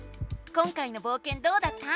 今回のぼうけんどうだった？